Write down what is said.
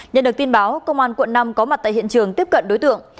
nhận được tin báo công an quận năm có mặt tại hiện trường tiếp cận đối tượng